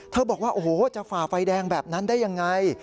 บอกว่าโอ้โหจะฝ่าไฟแดงแบบนั้นได้ยังไง